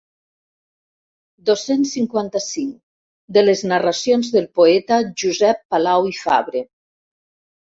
Dos-cents cinquanta-cinc de les narracions del poeta Josep Palau i Fabre.